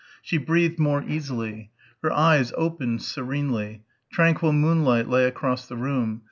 She breathed more easily. Her eyes opened serenely. Tranquil moonlight lay across the room.